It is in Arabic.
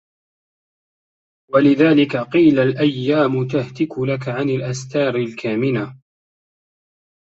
وَلِذَلِكَ قِيلَ الْأَيَّامُ تَهْتِكُ لَك عَنْ الْأَسْتَارِ الْكَامِنَةِ